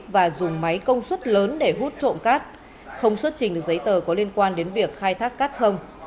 và dùng máy công suất lớn để hút trộm cát không xuất trình được giấy tờ có liên quan đến việc khai thác cát sông